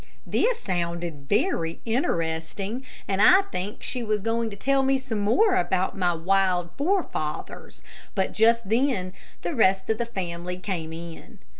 This sounded very interesting, and I think she was going to tell me some more about my wild forefathers, but just then the rest of the family came in.